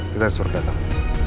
kita disuruh datang